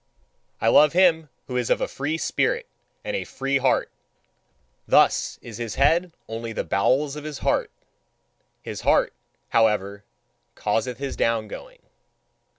I love him who is of a free spirit and a free heart: thus is his head only the bowels of his heart; his heart, however, causeth his down going.